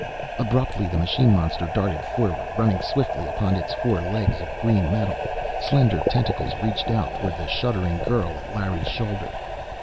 Abruptly the machine monster darted forward, running swiftly upon its four legs of green metal. Slender tentacles reached out toward the shuddering girl at Larry's shoulder.